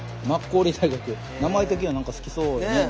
名前的には何か好きそうなね。